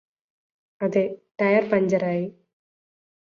അതെ ടയര് പഞ്ചറായി